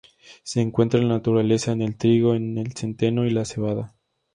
Se encuentra en la naturaleza en el trigo, el centeno y la cebada.